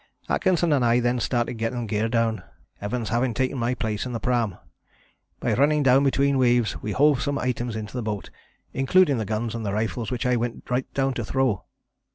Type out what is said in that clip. Atkinson and I then started getting the gear down, Evans having taken my place in the pram. By running down between waves we hove some items into the boat, including the guns and rifles, which I went right down to throw.